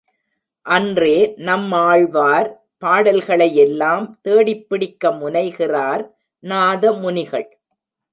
அன்றே நம்மாழ்வார் பாடல்களையெல்லாம் தேடிப் பிடிக்க முனைகிறார் நாதமுனிகள்.